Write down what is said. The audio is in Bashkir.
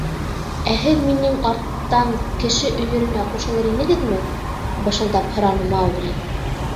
— Ә һеҙ минең арттан Кеше өйөрөнә ҡушылыр инегеҙме? — бышылдап һораны Маугли.